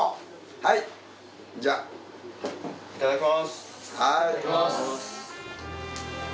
はいいただきます